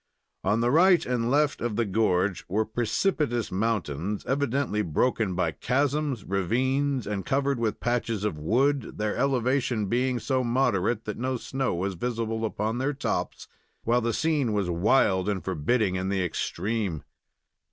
On the right and left of the gorge were precipitous mountains, evidently broken by chasms, ravines, and covered with patches of wood, their elevation being so moderate that no snow was visible upon their tops, while the scene was wild and forbidding in the extreme.